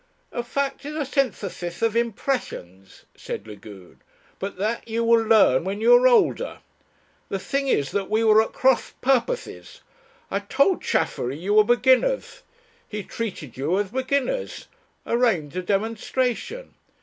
"A fact is a synthesis of impressions," said Lagune; "but that you will learn when you are older. The thing is that we were at cross purposes. I told Chaffery you were beginners. He treated you as beginners arranged a demonstration."